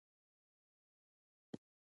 د سرای شهزاده ارزښت څه دی؟